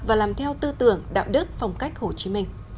và làm theo tư tưởng đạo đức phong cách hồ chí minh